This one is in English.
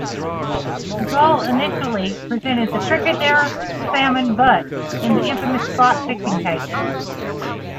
Gul initially represented the cricketer Salman Butt in the infamous spot fixing case.